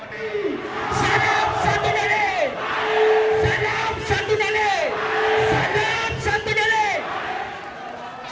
sanam satu nenek sanam satu nenek sanam satu nenek